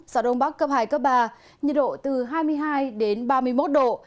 gió đông bắc cấp hai cấp ba nhiệt độ từ hai mươi hai đến ba mươi một độ